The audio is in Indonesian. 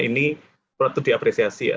ini berarti diapresiasi ya